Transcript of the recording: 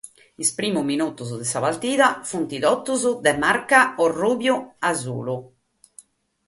Sos primos minutos de sa partida sunt totus de marca ruju-biaita.